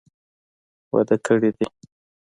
واده کړي دي.